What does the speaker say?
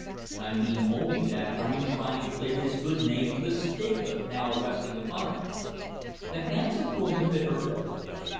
"I mean only that I am trying to clear his good name of the stigma now resting upon it." The handsome woman bit her lip.